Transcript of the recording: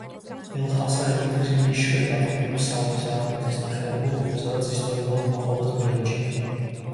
ელ-ჰასა ეკუთვნის იმ იშვიათ ადგილებს საუდის არაბეთის ნახევარკუნძულზე სადაც ისტორიულად მოყავდათ ბრინჯი.